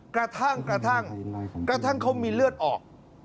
กระทั่งเขามีเลือดออก